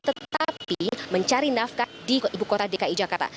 tetapi mencari nafkah di ibu kota dki jakarta